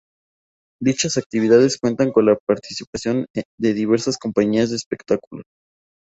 Dichas actividades cuentan con la participación de diversas compañías de espectáculos.